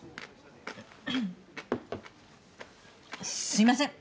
すいません。